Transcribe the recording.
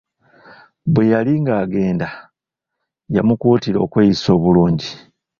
Bwe yali agenda yamukuutira okweyisa obulungi.